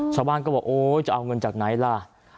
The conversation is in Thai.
ชาวบ้านก็บอกโอ๊ยจะเอาเงินจากไหนล่ะ